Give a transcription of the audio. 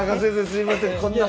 すいません。